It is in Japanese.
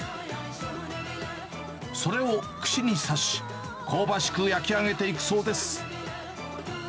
それを串に刺し、香ばしく焼き上げていくそうです。